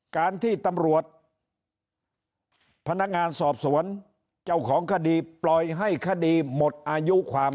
การที่ตำรวจพนักงานสอบสวนเจ้าของคดีปล่อยให้คดีหมดอายุความ